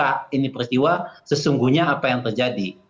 supaya terbuka ini peristiwa sesungguhnya apa yang terjadi